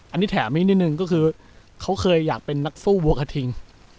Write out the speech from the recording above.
อันนี้แถมให้นิดนึงก็คือเขาเคยอยากเป็นนักสู้วัวกระทิง